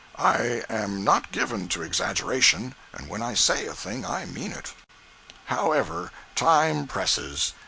I am not given to exaggeration, and when I say a thing I mean it. However, time presses.